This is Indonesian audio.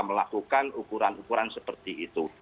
melakukan ukuran ukuran seperti itu